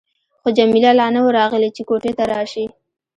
خو جميله لا نه وه راغلې چې کوټې ته راشي.